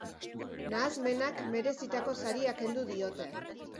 Nahasmenak merezitako saria kendu diote.